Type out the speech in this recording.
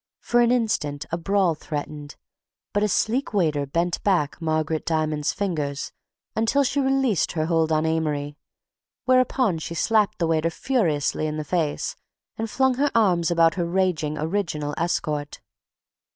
For an instant a brawl threatened, but a sleek waiter bent back Margaret Diamond's fingers until she released her hold on Amory, whereupon she slapped the waiter furiously in the face and flung her arms about her raging original escort.